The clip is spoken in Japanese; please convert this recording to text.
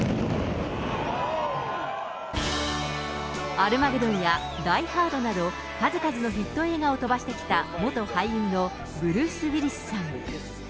アルマゲドンやダイ・ハードなど、数々のヒット映画を飛ばしてきた元俳優のブルース・ウィリスさん。